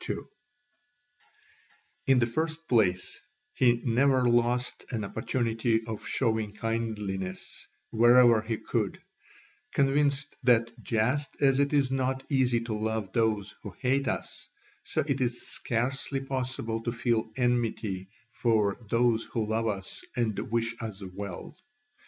[C.2] In the first place he never lost an opportunity of showing kindliness wherever he could, convinced that just as it is not easy to love those who hate us, so it is scarcely possible to feel enmity for those who love us and wish us well.